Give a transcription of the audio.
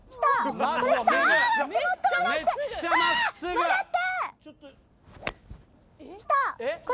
曲がって！